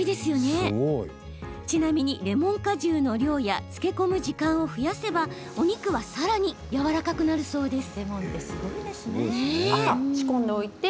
ちなみに、レモン果汁の量や漬け込む時間を増やせばお肉は、さらにやわらかくなるそうです。